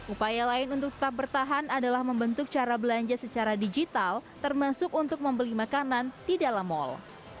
upaya lain untuk tetap bertahan adalah membentuk cara belanja secara digital termasuk untuk membeli makanan di dalam mal